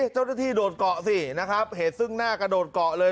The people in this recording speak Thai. โดดเกาะสินะครับเหตุซึ่งหน้ากระโดดเกาะเลย